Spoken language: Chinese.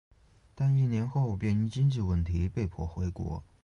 但一年后便因经济问题被迫回国。